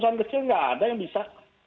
usaha usaha kecil nggak ada yang bisa